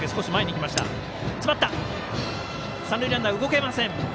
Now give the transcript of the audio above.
三塁ランナー動けません。